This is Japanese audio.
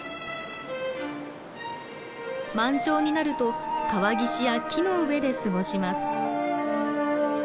満潮になると川岸や木の上で過ごします。